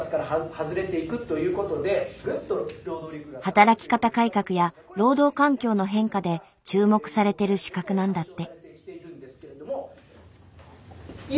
働き方改革や労働環境の変化で注目されてる資格なんだって。